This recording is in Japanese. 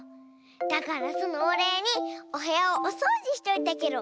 だからそのおれいにおへやをおそうじしておいたケロ。